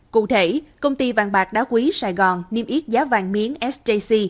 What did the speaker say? cụ thể công ty vàng bạc đá quý sài gòn niêm yết giá vàng miếng sjc